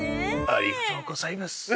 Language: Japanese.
ありがとうございます。